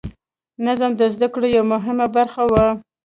نظم د زده کړې یوه مهمه برخه وه.